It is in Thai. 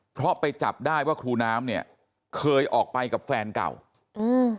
เพราะไปจับได้ว่าครูน้ำเนี่ยเคยออกไปกับแฟนเก่าอืม